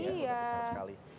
udah besar sekali